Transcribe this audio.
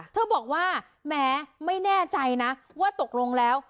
เธอบอกว่าแม้ไม่แน่ใจนะว่าตกลงแล้ว